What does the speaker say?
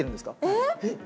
えっ？